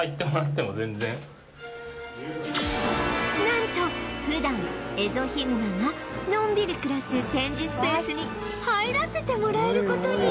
なんと普段エゾヒグマがのんびり暮らす展示スペースに入らせてもらえる事に！